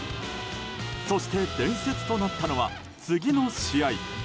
そして、伝説となったのは次の試合。